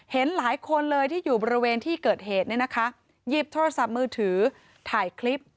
เห็นหลายคนเลยที่อยู่บริเวณที่เกิดเหตุเนี่ยนะคะหยิบโทรศัพท์มือถือถ่ายคลิป